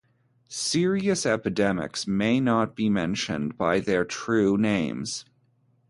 Serious epidemics may not be mentioned by their true names.